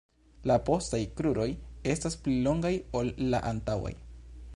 La postaj kruroj estas pli longaj ol la antaŭaj.